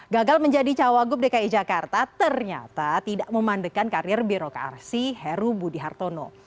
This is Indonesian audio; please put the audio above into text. gagal menjadi cawagup dki jakarta ternyata tidak memandekan karir birokrasi heru budi hartono